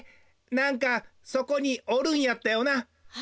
なんかそこにおるんやったよな？